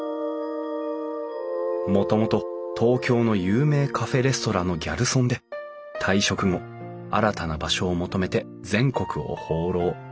もともと東京の有名カフェレストランのギャルソンで退職後新たな場所を求めて全国を放浪。